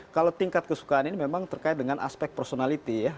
kalau tingkat kesukaan ini memang terkait dengan aspek personality ya